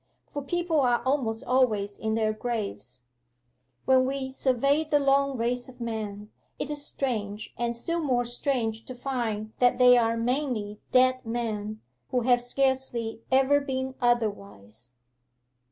For people are almost always in their graves. When we survey the long race of men, it is strange and still more strange to find that they are mainly dead men, who have scarcely ever been otherwise.